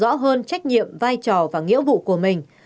rõ hơn trách nhiệm vai trò và nghĩa vụ của mình